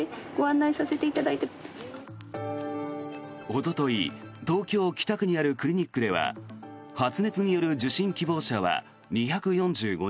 おととい、東京・北区にあるクリニックでは発熱による受診希望者は２４５人。